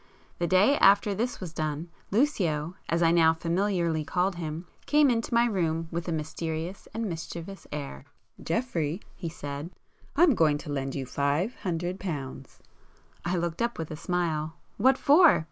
The day after this was done, Lucio, as I now familiarly called him, came in to my room with a mysterious and mischievous air. "Geoffrey," he said—"I'm going to lend you five hundred pounds!" I looked up with a smile. "What for?"